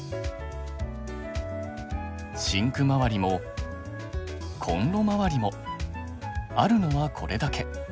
シンクまわりもコンロまわりもあるのはこれだけ。